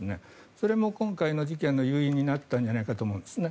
それも今回の事件の誘因になったんじゃないかと思いますね。